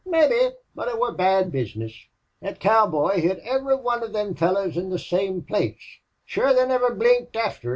"Mebbe. But it wor bad bizness. That cowboy hit iviry wan of thim fellars in the same place. Shure, they niver blinked afther."